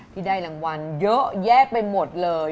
ที่ได้รางวัลเยอะแยะไปหมดเลย